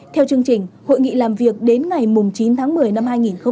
theo chương trình hội nghị làm việc đến ngày chín tháng một mươi năm hai nghìn hai mươi hai